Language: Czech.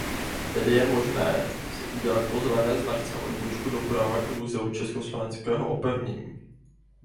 Tady je možné si udělat po zelené značce odbočku doprava k Muzeu Československého opevnění.